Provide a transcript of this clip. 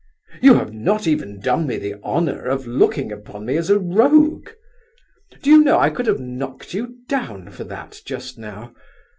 You have not even done me the honour of looking upon me as a rogue. Do you know, I could have knocked you down for that just now!